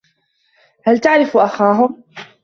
هل تعرف أخاهم؟